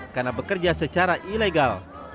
karena bekerja secara ilegal